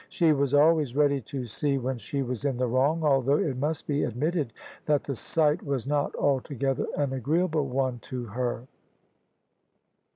She was always ready to see when she was In the wrong, although It must be admitted that the sight was not altogether an agreeable one to her.